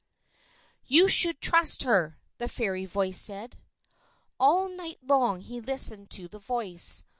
"You should trust her," the fairy voice said. All night long he listened to the voice.